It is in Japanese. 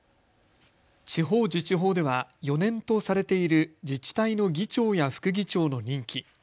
地方自治法では４年とされている自治体の議長や副議長の任期。